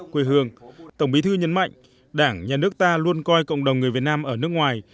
quê hương tổng bí thư nhấn mạnh đảng nhà nước ta luôn coi cộng đồng người việt nam ở nước ngoài